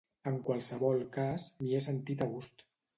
En qualsevol cas, m’hi he sentit a gust.